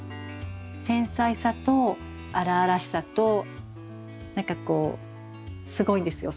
繊細さと荒々しさと何かこうすごいんですよ